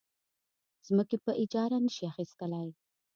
ځمکې په اجاره نه شي اخیستلی.